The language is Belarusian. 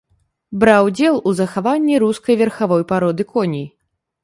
Браў удзел у захаванні рускай верхавой пароды коней.